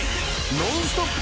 ノンストップ！